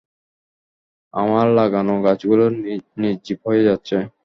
আমার লাগানো গাছগুলো নির্জীব হয়ে যাচ্ছে।